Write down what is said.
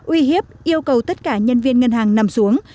uy hiếp yêu cầu tất cả nhân viên ngân hàng nằm xuống